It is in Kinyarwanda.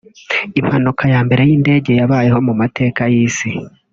Impanuka ya mbere y’indege yabayeho mu mateka y’isi